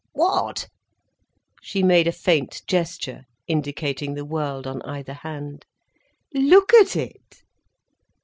"What?" She made a faint gesture, indicating the world on either hand. "Look at it!"